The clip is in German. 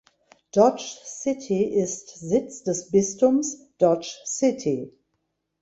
Dodge City ist Sitz des Bistums Dodge City.